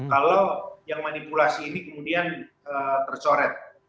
kalau yang manipulasi ini kemudian tercoret